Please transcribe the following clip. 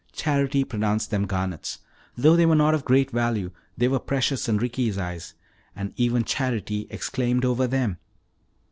Charity pronounced them garnets. Though they were not of great value, they were precious in Ricky's eyes, and even Charity exclaimed over them.